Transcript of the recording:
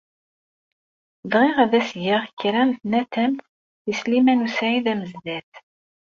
Bɣiɣ ad s-geɣ kra n tnatamt i Sliman u Saɛid Amezdat.